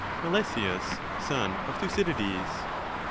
Melesias, son of Thucydides.